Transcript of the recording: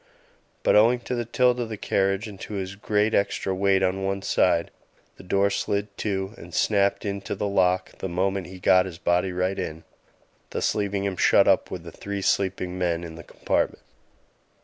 But owing to the tilt of the carriage and to his great extra weight on the one side, the door slid to and snapped into the lock the moment he got his body right in, thus leaving him shut up with the three sleeping me in the compartment.